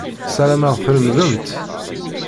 Sarameɣ tlemmdemt.